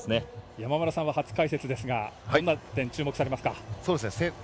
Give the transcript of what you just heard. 山村さんは初解説ですがどんな点注目されますか。